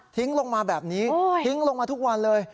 ลงมาแบบนี้ทิ้งลงมาทุกวันเลย